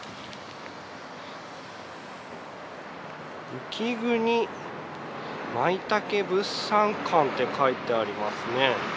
「雪国まいたけ物産館」って書いてありますね。